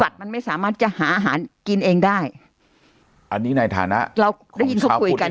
มันไม่สามารถจะหาอาหารกินเองได้อันนี้ในฐานะเราได้ยินเขาคุยกัน